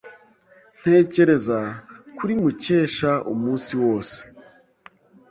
Ntekereza kuri Mukesha umunsi wose.